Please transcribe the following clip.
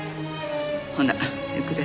ほな行くで。